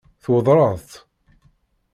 Tweddṛeḍ-t?